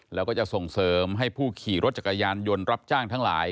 แล้วก็จะส่งเสริมให้ผู้ขี่รถจักรยานยนต์รับจ้างทั้งหลาย